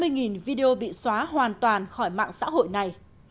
có một trăm năm mươi video bị xóa hoàn toàn khỏi mạng xã hội này